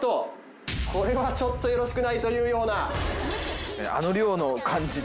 これはちょっとよろしくないというような。